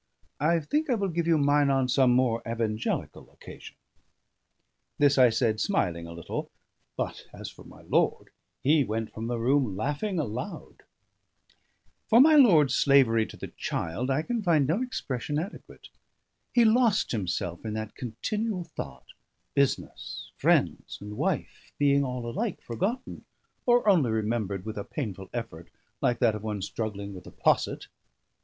I think I will give you mine on some more evangelical occasion." This I said, smiling a little; but as for my lord, he went from the room laughing aloud. For my lord's slavery to the child I can find no expression adequate. He lost himself in that continual thought: business, friends, and wife being all alike forgotten, or only remembered with a painful effort, like that of one struggling with a posset.